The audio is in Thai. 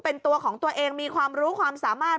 เป็นตัวของตัวเองมีความรู้ความสามารถ